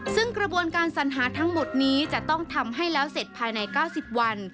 ซึ่งกระบวนการสัญหาทั้งหมดนี้จะต้องทำให้แล้วเสร็จภายใน๙๐วัน